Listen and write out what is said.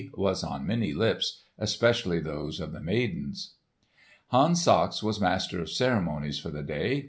was on many lips, especially those of the maidens. Hans Sachs was Master of Ceremonies for the day.